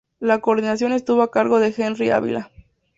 La coordinación estuvo a cargo de Henry Ávila.